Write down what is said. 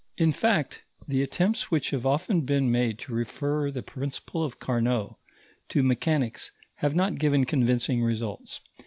In fact, the attempts which have often been made to refer the principle of Carnot to mechanics have not given convincing results.